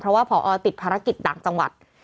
เพราะว่าพอติดภารกิจดังจังหวัด